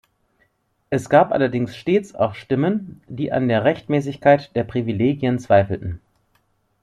Es gab allerdings stets auch Stimmen, die an der Rechtmäßigkeit der Privilegien zweifelten.